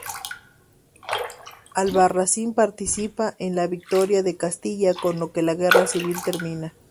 Albarracín participa en la victoria de Castilla con lo que la guerra civil termina.